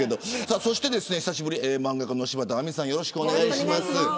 そして久しぶり漫画家の柴田亜美さんよろしくお願いします。